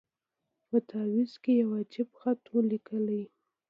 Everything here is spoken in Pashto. په تعویذ کي یو عجب خط وو لیکلی